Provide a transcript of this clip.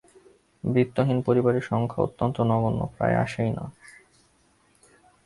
বৃত্তহীন পরিবারের সংখ্যা অত্যন্ত নগণ্য, প্রায় আসেই না।